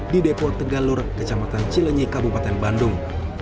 di depo tegalur kecamatan cilenyi kabupaten bandung